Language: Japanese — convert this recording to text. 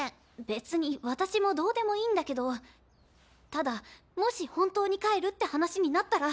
別に私もどうでもいいんだけどただもし本当に帰るって話になったら。